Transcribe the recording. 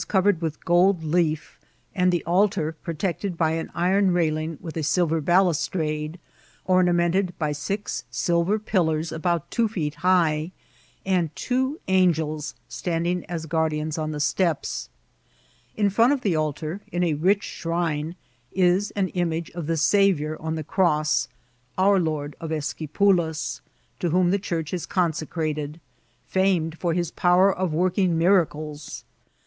po^t wasoorered witib gold ktf, and tbe altar pvoteeted by an iron railing with a nlTer bahislrade, otBamented wi A mx silver pillars about two feet higli^ and two an gels standing as guardians <m the stq[w* Infixntofthe altaor, in a rich cdirine, is an image of the Sorionr on the eross, ^ our Lord of Esquipulas," to whom the efaoroh is eonse^ated, femed for its power of working mira* fdes.